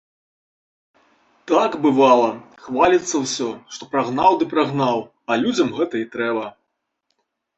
Так, бывала, хваліцца ўсё, што прагнаў ды прагнаў, а людзям гэта і трэба.